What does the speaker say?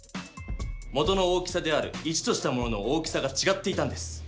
元の大きさである１としたものの大きさがちがっていたんです。